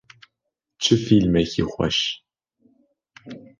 Çi fîlmekî xweş.